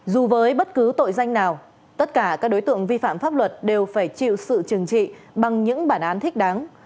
dù với bất cứ tội danh nào tất cả các đối tượng vi phạm pháp luật đều phải chịu sự trừng trị bằng những bản án thích đáng